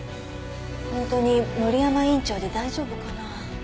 本当に森山院長で大丈夫かなあ。